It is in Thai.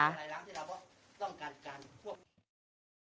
ส่วนเรื่องโรงพยาบาลที่จะรักษาเนี่ยต้องขอบคุณทางพัฒนาสังคมเลยนะครับ